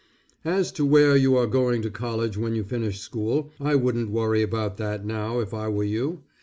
As to where you are going to college when you finish school, I wouldn't worry about that now if I were you.